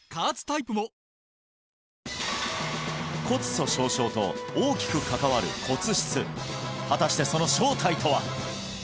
骨粗しょう症と大きく関わる骨質果たしてその正体とは！？